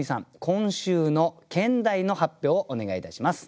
今週の兼題の発表をお願いいたします。